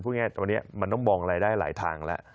ง่ายตอนนี้มันต้องมองรายได้หลายทางแล้ว